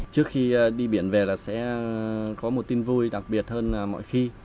trước khi đi biển về là sẽ có một tin vui đặc biệt hơn mọi khi